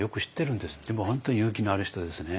でも本当勇気のある人ですね。